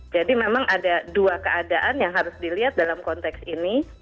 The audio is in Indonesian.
jadi memang ada dua keadaan yang harus dilihat dalam konteks ini